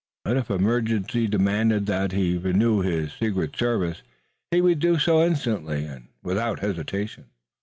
But if emergency demanded that he renew his secret service he would do so instantly and without hesitation.